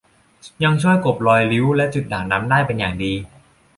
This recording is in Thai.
ยังช่วยกลบริ้วรอย และจุดด่างดำได้เป็นอย่างดี